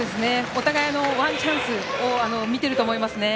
お互い、ワンチャンスを見ていると思います。